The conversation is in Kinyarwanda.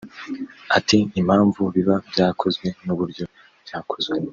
Ati “Impamvu biba byakozwe n’uburyo byakozwemo